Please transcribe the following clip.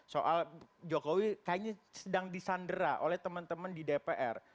soal jokowi kayaknya sedang disandera oleh teman teman di dpr